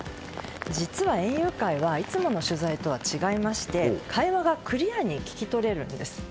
実は園遊会はいつもの取材とは違いまして会話がクリアに聞き取れることです。